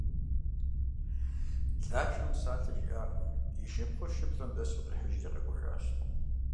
Лашэм псалъэ жиӏакъым, и шыпхъур шыплӏэм дэсу къихьыжри къэкӏуэжащ.